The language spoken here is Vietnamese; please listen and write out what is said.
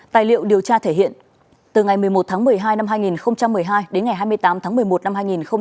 tài liệu điều tra thể hiện từ ngày một mươi một tháng một mươi hai năm hai nghìn một mươi hai đến ngày hai mươi tám tháng một mươi một năm hai nghìn một mươi tám